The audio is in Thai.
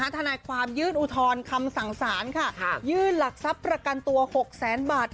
ทนายความยื่นอุทธรณ์คำสั่งสารค่ะยื่นหลักทรัพย์ประกันตัว๖แสนบาท